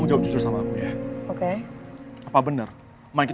gak ada yang mau ngantin